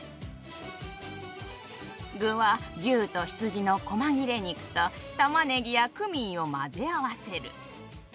具は牛と羊のこま切れ肉とたまねぎやクミンを混ぜ合わせる。